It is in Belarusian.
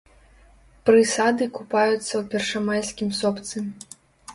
Прысады купаюцца ў першамайскім сопцы.